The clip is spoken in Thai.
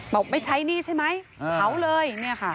บอกไม่ใช้หนี้ใช่ไหมเผาเลย